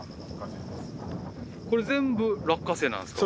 これ全部落花生なんですか？